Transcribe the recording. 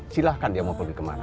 silahkan dia mau pergi kemana